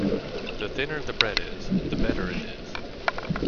The thinner the bread is, the better it is.